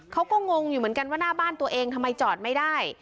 งงอยู่เหมือนกันว่าหน้าบ้านตัวเองทำไมจอดไม่ได้